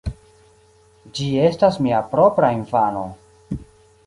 Ĝi estas mia propra infano.